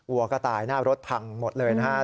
วัวก็ตายหน้ารถพังหมดเลยนะครับ